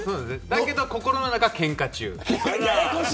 だけど心の中は、けんか中。